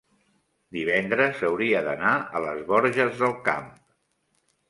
divendres hauria d'anar a les Borges del Camp.